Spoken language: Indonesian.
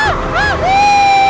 aduh aduh aduh